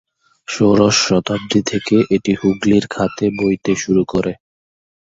ষোড়শ শতাব্দী থেকে এটি হুগলির খাতে বইতে শুরু করে।